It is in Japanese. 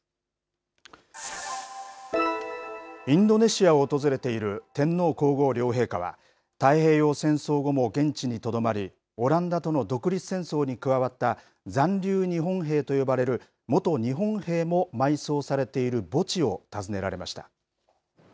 インドネシアを訪れている天皇皇后両陛下は、太平洋戦争後も現地にとどまり、オランダとの独立戦争に加わった残留日本兵と呼ばれる元日本兵も埋葬されている墓地を訪ねられました。